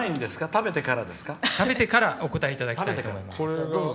食べてからお答えいただきたいです。